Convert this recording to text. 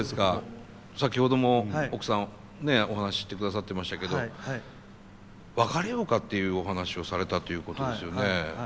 先ほども奥さんお話ししてくださってましたけど別れようかっていうお話をされたということですよね。